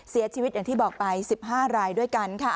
เสียชีวิตอย่างที่บอกไป๑๕รายด้วยกันค่ะ